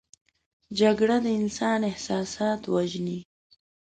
جګړه د انسان احساسات وژني